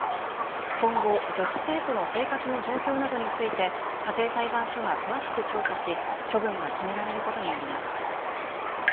今後、女子生徒の生活の状況などについて家庭裁判所が詳しく調査し処分が決められることになります。